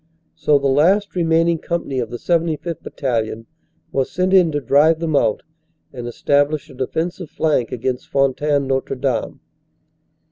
So the last remaining company of the 75th. Bat talion was sent in to drive them out and establish a defensive flank against Fontaine Notre Dame.